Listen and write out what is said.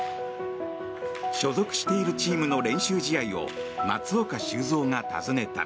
所属しているチームの練習試合を松岡修造が訪ねた。